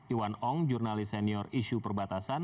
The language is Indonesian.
iwan ong jurnalis senior isu perbatasan